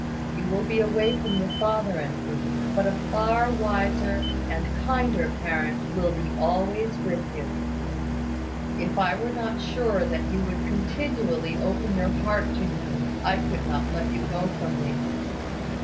You will be away from your father and me; but a far wiser and kinder parent will be always with you. If I were not sure that you would continually open your heart to Him, I could not let you go from me."